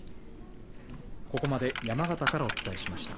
ここまで山形からお伝えしました。